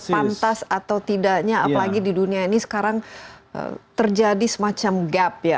pantas atau tidaknya apalagi di dunia ini sekarang terjadi semacam gap ya